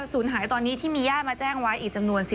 สูญหายที่มีแย่นมาแจ้งไว้